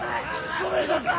ごめんなさい！